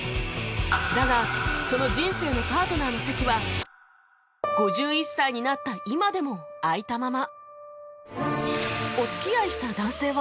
だがその人生のパートナーの席は５１歳になった今でも空いたまま